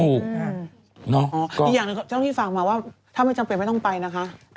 อีกอย่างหนึ่งเจ้าที่ฝากมาว่าถ้าไม่จำเป็นไม่ต้องไปนะคะ